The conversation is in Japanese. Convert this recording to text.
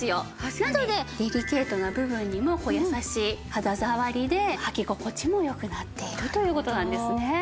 なのでデリケートな部分にも優しい肌触りではき心地も良くなっているという事なんですね。